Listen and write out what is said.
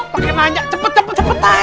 pakai nanya cepet cepetan